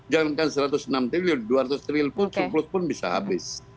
jangan jangan satu ratus enam triliun dua ratus triliun pun sepuluh pun bisa habis